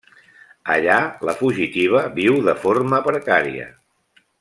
Allà, la fugitiva viu de forma precària.